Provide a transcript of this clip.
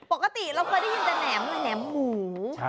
ปกติเราเคยได้ยินแหนมเลยแหนมหมูค่ะ